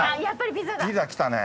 ピザきたね。